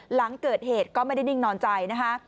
หลังเกิดเหตุก็ไม่ได้นิ่งนอนใจนะคะ